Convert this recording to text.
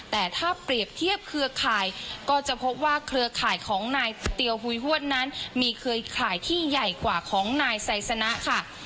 แต่ถ้าเปรียบเทียบเครือข่ายก็จะพบว่าเครือข่ายของนายเตียวหุยฮวดนั้นมีเครือข่ายที่ใหญ่กว่าของนายไซสนะค่ะ